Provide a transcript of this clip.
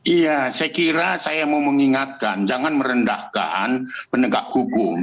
iya saya kira saya mau mengingatkan jangan merendahkan penegak hukum